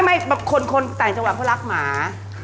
ไม่คนแต่งจังหวังเค้ารักหมา